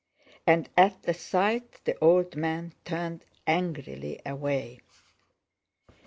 And at the sight the old man turned angrily away.